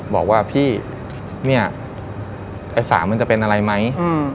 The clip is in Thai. บอกว่าพี่เนี่ยไอ้๓มันจะเป็นอะไรไหม